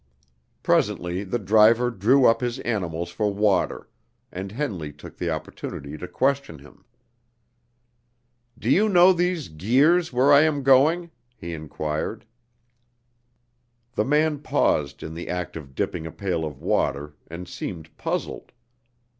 Presently the driver drew up his animals for water, and Henley took the opportunity to question him. "Do you know these Guirs where I am going?" he inquired. The man paused in the act of dipping a pail of water, and seemed puzzled.